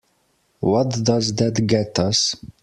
What does that get us?